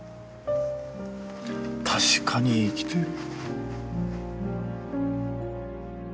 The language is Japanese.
確かに生きている。